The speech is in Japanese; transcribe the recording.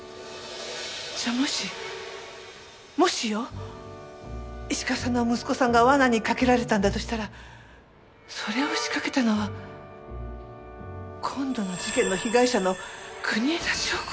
じゃあもしもしよ石川さんの息子さんが罠に掛けられたんだとしたらそれを仕掛けたのは今度の事件の被害者の国枝祥子さん？